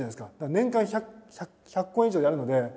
年間１００公演以上やるので。